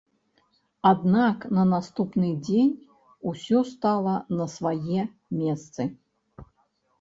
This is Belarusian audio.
Аднак на наступны дзень усё стала на свае месцы.